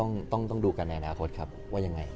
ต้องดูกันในอนาคตครับว่ายังไง